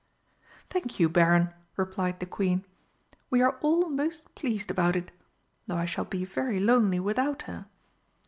"Thank you, Baron," replied the Queen. "We are all most pleased about it. Though I shall be very lonely without her.